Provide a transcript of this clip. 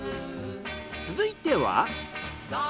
続いては。